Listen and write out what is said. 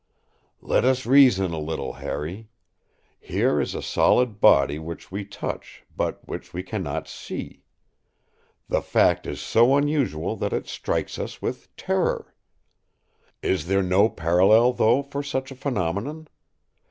” “Let us reason a little, Harry. Here is a solid body which we touch but which we cannot see. The fact is so unusual that it strikes us with terror. Is there no parallel, though, for such a phenomenon?